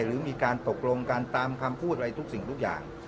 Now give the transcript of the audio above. หรือมีการตกลงกันตามคำพูดอะไรทุกสิ่งทุกอย่าง